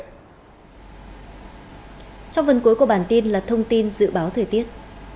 trong phần cuối của bản tin là thông tin dự báo thời tiết